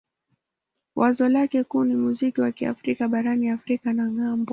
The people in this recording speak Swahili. Wazo lake kuu ni muziki wa Kiafrika barani Afrika na ng'ambo.